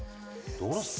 どうですか？